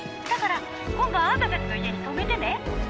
だから今晩あんたたちの家に泊めてね。